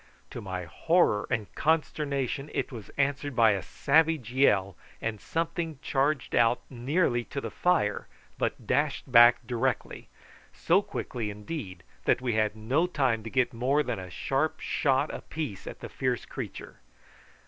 To my horror and consternation it was answered by a savage yell, and something charged out nearly to the fire but dashed back directly, so quickly, indeed, that we had no time to get more than a sharp shot apiece at the fierce creature.